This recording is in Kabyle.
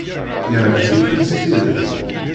Yeɛjeb-iten s tidet.